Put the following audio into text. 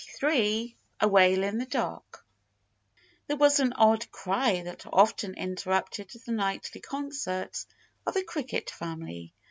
XXIII A WAIL IN THE DARK There was an odd cry that often interrupted the nightly concerts of the Cricket family.